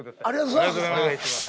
ありがとうございます。